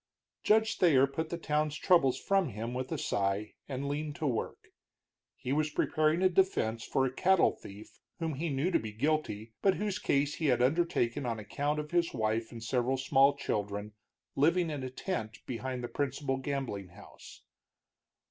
Judge Thayer put the town's troubles from him with a sigh and leaned to his work. He was preparing a defense for a cattle thief whom he knew to be guilty, but whose case he had undertaken on account of his wife and several small children living in a tent behind the principal gambling house.